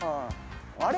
あれ？